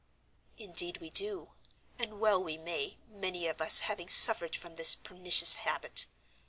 "Indeed we do, and well we may, many of us having suffered from this pernicious habit.